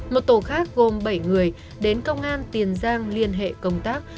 một tổ khác gồm bảy người đến công an tiền giang liên hệ công tác